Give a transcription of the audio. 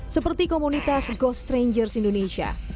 seperti komunitas ghost strangers indonesia